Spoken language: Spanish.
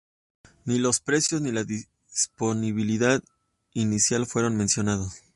Ni los precios ni la disponibilidad inicial fueron mencionados.